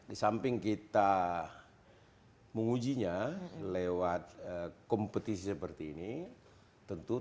di samping kita mengujinya lewat kompetisi seperti ini tentu